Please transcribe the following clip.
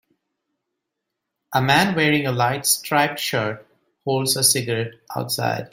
A man wearing a light striped shirt holds a cigarette outside.